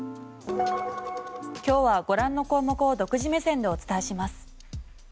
今日はご覧の項目を独自目線でお伝えします。